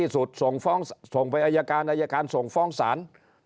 สุดส่งไปอายการอายการส่งฟ้องศาล